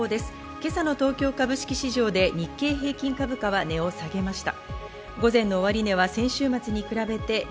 今朝の東京株式市場で日経平均株価は値を下げました。